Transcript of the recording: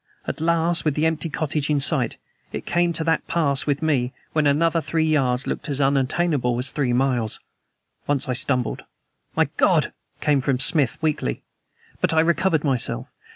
At last, with the empty cottage in sight, it came to that pass with me when another three yards looks as unattainable as three miles. Once I stumbled. "My God!" came from Smith weakly. But I recovered myself.